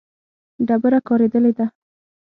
ډبره کارېدلې ده.